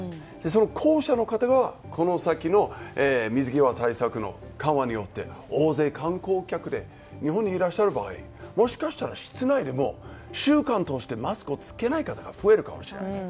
その後者の方がこの先の水際対策の緩和によって大勢、観光客で日本にいらっしゃる場合もしかしたら室内でも習慣としてマスクを着けない方が増えるかもしれないです。